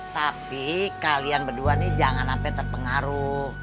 tapi kalian berdua nih jangan sampai terpengaruh